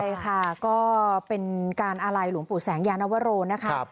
ใช่ค่ะก็เป็นการอาลัยหลวงปู่แสงยานวโรนะคะ